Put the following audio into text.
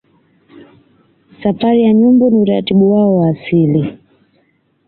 Safari ya Nyumbu ni utaratibu wao wa asili